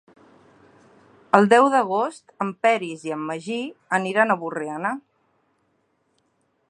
El deu d'agost en Peris i en Magí aniran a Borriana.